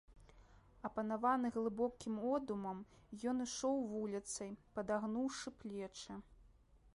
Апанаваны глыбокім одумам, ён ішоў вуліцай, падагнуўшы плечы.